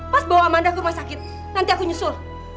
pas bawa amanda ke rumah sakit nanti aku nyusul